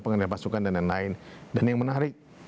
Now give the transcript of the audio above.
pengendalian pasukan dan lain lain dan yang menarik